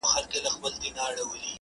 په تهمتونو کي بلا غمونو.